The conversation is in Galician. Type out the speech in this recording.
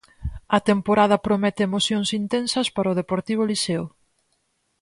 A temporada promete emocións intensas para o Deportivo Liceo.